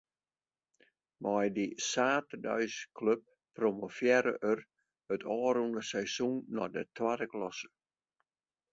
Mei dy saterdeisklup promovearre er it ôfrûne seizoen nei de twadde klasse.